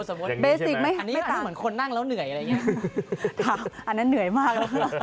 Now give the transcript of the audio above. สมมุติอย่างนี้ใช่ไหมอันนี้เหมือนคนนั่งแล้วเหนื่อยอะไรอย่างนี้ค่ะอันนั้นเหนื่อยมาก